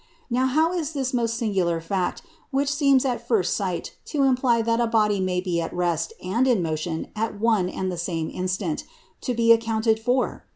Now, how is this most singular fact, which seems at first sight to imply that a body may be at rest and in motion at one and the same instant, to be accounted for?